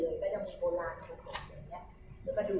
หรือเป็นอะไรที่คุณต้องการให้ดู